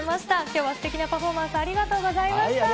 きょうはすてきなパフォーマンスありがとうございました。